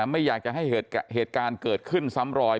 ไม่อยากจะให้เหตุการณ์เกิดขึ้นซ้ำรอย